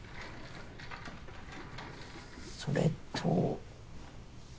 それと。